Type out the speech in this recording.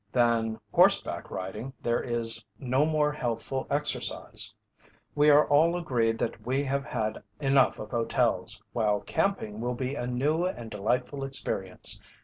Than horseback riding, there is no more healthful exercise. We are all agreed that we have had enough of hotels, while camping will be a new and delightful experience.